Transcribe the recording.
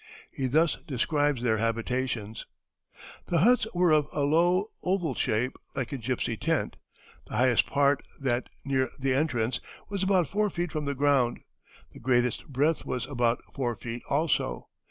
He thus describes their habitations: "The huts were of a low, oval shape, like a gypsy tent; the highest part, that near the entrance, was about four feet from the ground; the greatest breadth was about four feet also.